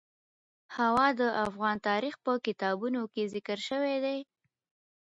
هوا د افغان تاریخ په کتابونو کې ذکر شوی دي.